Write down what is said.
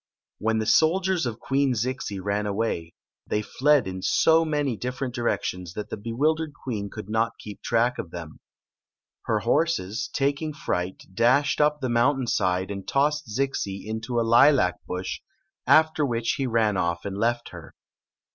When the soldiers of Queen Zixi ran away, they fled in so many different directions that the bewil dered queen could not k. ep track of them. Her horse, taking fright, dashed up the mountain side and tossed Zixi into a hlac bush, after which he ran off and left her.